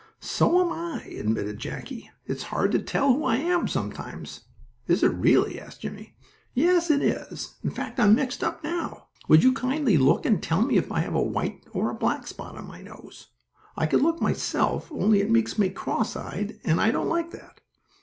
"So am I," admitted Jackie. "It's hard to tell who I am, sometimes." "Is it, really?" asked Jimmie. "Yes, it is. In fact I'm mixed up now. Would you kindly look and tell me if I have a white or a black spot on my nose. I could look myself, only it makes me cross eyed, and I don't like that."